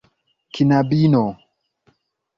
knabino